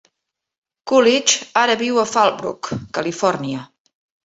Coolidge ara viu a Fallbrook, Califòrnia.